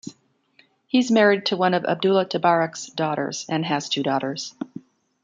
He is married to one of Abdullah Tabarak's daughters, and has two daughters.